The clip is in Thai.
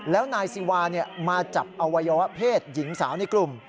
แล้วนายซีวามาจับอวัยวะเพศหญิงสาวในกลุ่ม